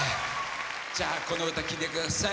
じゃあこの歌聴いてください。